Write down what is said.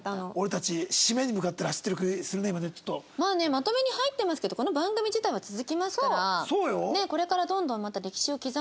まとめに入ってますけどこの番組自体は続きますから。